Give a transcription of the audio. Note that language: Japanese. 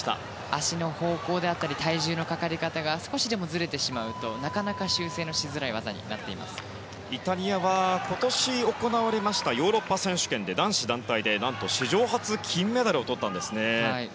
足の方向であったり体重のかかり方が少しでもずれてしまうとなかなか修正がしづらいイタリアは、今年行われたヨーロッパ選手権で男子団体で何と史上初金メダルをとったんですよね。